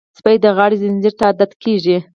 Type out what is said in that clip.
سپي د غاړې زنځیر ته عادت کېږي.